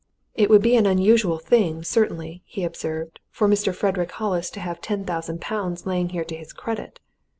"It would be an unusual thing, certainly," he observed, "for Mr. Frederick Hollis to have ten thousand pounds lying here to his credit.